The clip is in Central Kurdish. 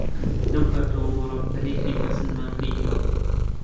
لەو کاتەوە گۆڕانکاریی مەزنمان بینیوە.